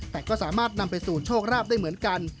แต่ก็สามารถนำไปสู่โชคราบได้เหมือนกัน